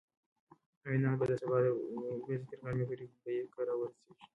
ایوانان به د سبا ورځې تر غرمې پورې ببۍ کره ورسېږي.